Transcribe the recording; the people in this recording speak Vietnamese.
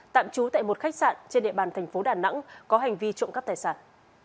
tạm trú tại một khách sạn trên địa bàn thành phố đà nẵng có hành vi trộm cắp tài sản